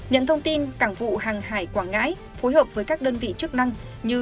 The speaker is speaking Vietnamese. nhận thông tin cảng vụ hàng hải quảng ngãi phối hợp với các đơn vị chức năng như